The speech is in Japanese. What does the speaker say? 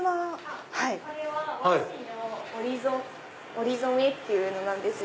これは和紙の折り染めっていうのなんですよ。